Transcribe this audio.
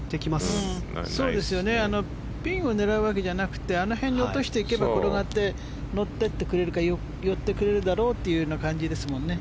ピンを狙うわけじゃなくてあの辺に落としていけば転がって、乗ってくれるか寄ってくれるだろうというような感じですもんね。